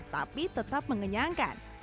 tapi tetap mengenyangkan